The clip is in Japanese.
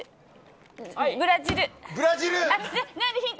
ブラジル。